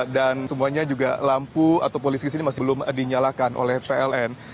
dan semuanya juga lampu atau polisi di sini masih belum dinyalakan oleh pln